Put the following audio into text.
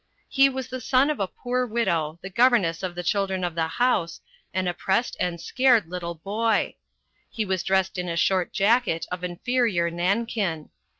He was the son of a poor widow, the governess of the children of the house, an oppressed and scared little boy. He was dressed in a short jacket of inferior nankin.